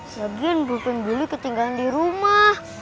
sebagian bukannya billy ketinggalan di rumah